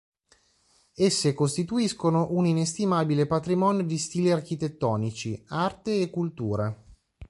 Esse costituiscono un inestimabile patrimonio di stili architettonici, arte e cultura.